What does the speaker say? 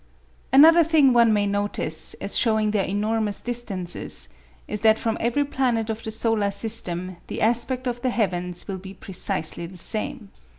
Another thing one may notice, as showing their enormous distances, is that from every planet of the solar system the aspect of the heavens will be precisely the same.